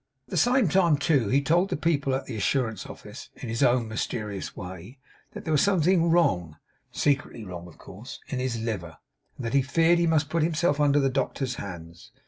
At the same time, too, he told the people at the Assurance Office, in his own mysterious way, that there was something wrong (secretly wrong, of course) in his liver, and that he feared he must put himself under the doctor's hands.